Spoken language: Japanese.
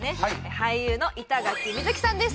俳優の板垣瑞生さんです